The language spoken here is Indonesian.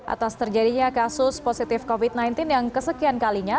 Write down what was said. atas terjadinya kasus positif covid sembilan belas yang kesekian kalinya